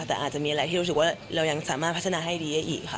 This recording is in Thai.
แต่อาจจะมีอะไรที่รู้สึกว่าเรายังสามารถพัฒนาให้ดีได้อีกค่ะ